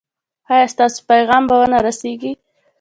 ایا ستاسو پیغام به و نه رسیږي؟